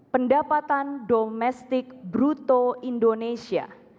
pendapatan domestik bruto indonesia